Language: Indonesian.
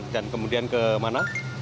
dan kemudian ke mana